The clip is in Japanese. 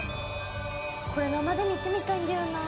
これ生で見てみたいんだよな